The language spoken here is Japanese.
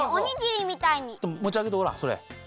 もちあげてごらんそれ。